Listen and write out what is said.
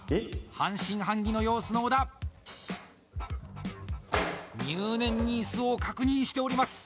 半信半疑の様子の小田入念に椅子を確認しております